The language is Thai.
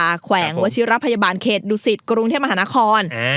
แขวงวชิรพยาบาลเขตดุสิตกรุงเทพมหานคร